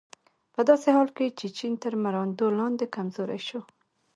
په داسې حال کې چې چین تر مراندو لاندې کمزوری شو.